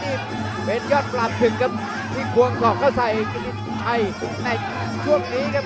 นี่เป็นยอดประสึกครับที่ควงส่องเข้าใส่กิฟตีชายในช่วงนี้ครับ